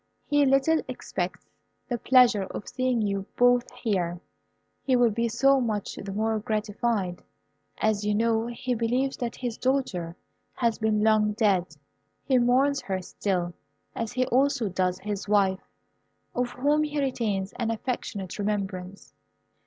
He little expects the pleasure of seeing you both here. He will be so much the more gratified, as you know he believes that his daughter has been long dead. He mourns her still, as he also does his wife, of whom he retains an affectionate remembrance."